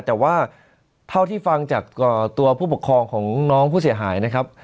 แต่ว่าเท่าที่ฟังจากตัวผู้ปกครองของน้องผู้เสียหายนะครับ